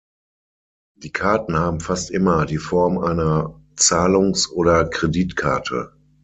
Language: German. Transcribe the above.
Die Karten haben fast immer die Form einer Zahlungs- oder Kreditkarte.